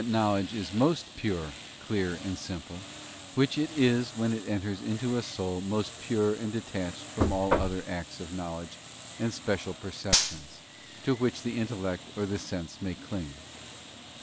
knowledge is most pure, clear, and simple, which it is when it enters into a soul most pure and detached from all other acts of knowledge and special perceptions, to which the in tellect or the sense may cling.